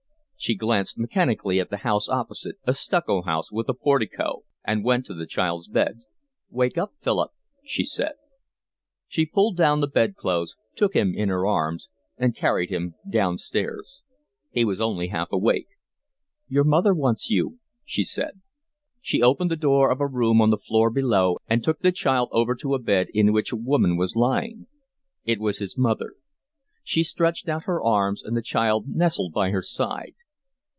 She glanced mechanically at the house opposite, a stucco house with a portico, and went to the child's bed. "Wake up, Philip," she said. She pulled down the bed clothes, took him in her arms, and carried him downstairs. He was only half awake. "Your mother wants you," she said. She opened the door of a room on the floor below and took the child over to a bed in which a woman was lying. It was his mother. She stretched out her arms, and the child nestled by her side.